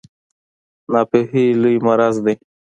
ناپوهي لوی مرض دی